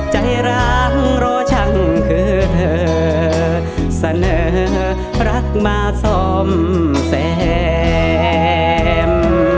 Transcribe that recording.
ใจร้างโรชั่งคือเธอเสนอรักมาสมแสม